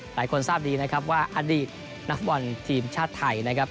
หลายคนทราบดีนะครับว่าอดีตนักฟุตบอลทีมชาติไทยนะครับ